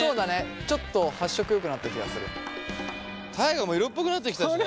大我も色っぽくなってきたしね。